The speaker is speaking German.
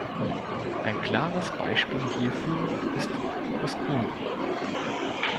Ein klares Beispiel hierfür ist das Grünbuch.